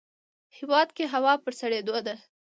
هیواد کې هوا په سړیدو ده